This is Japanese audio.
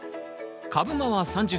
株間は３０ｃｍ。